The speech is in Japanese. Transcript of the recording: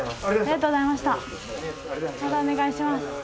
ありがとうございます。